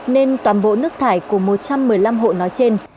nên toàn bộ nước thải của một trăm một mươi năm hộ nói trên